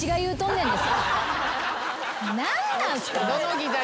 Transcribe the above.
何なんすか。